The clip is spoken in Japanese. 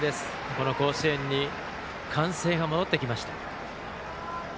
この甲子園に歓声が戻ってきました。